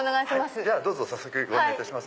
じゃあ早速ご案内いたします。